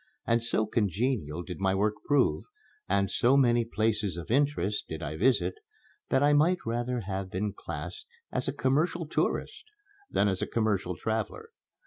And so congenial did my work prove, and so many places of interest did I visit, that I might rather have been classed as a "commercial tourist" than as a commercial traveler.